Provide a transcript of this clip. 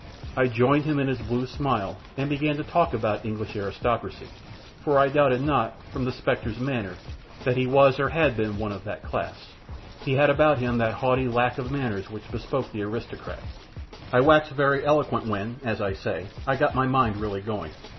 I joined him in his blue smile, and began to talk about the English aristocracy; for I doubted not, from the spectre's manner, that he was or had been one of that class. He had about him that haughty lack of manners which bespoke the aristocrat. I waxed very eloquent when, as I say, I got my mind really going.